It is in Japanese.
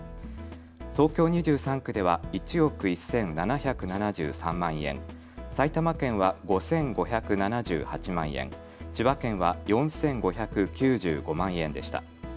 東京２３区では１億１７７３万円、埼玉県は５５７８万円、千葉県は４５９５万円でした。